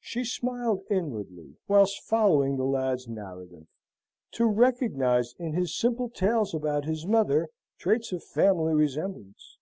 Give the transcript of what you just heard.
She smiled inwardly, whilst following the lad's narrative, to recognise in his simple tales about his mother, traits of family resemblance.